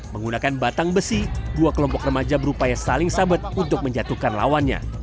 menggunakan batang besi dua kelompok remaja berupaya saling sabet untuk menjatuhkan lawannya